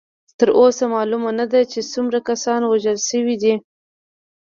تر اوسه معلومه نه ده چې څومره کسان وژل شوي دي.